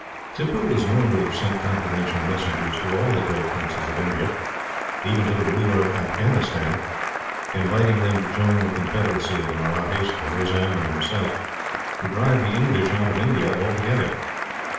Tippoo was known to have sent confidential messengers to all the great princes of India even to the ruler of Afghanistan inviting them to join the confederacy of the Mahrattis, the Nizam, and himself, to drive the English out of India altogether.